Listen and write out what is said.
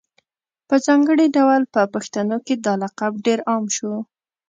په ځانګړي ډول په پښتنو کي دا لقب ډېر عام شو